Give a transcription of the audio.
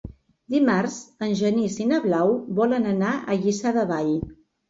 Dimarts en Genís i na Blau volen anar a Lliçà de Vall.